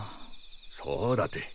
そうだて。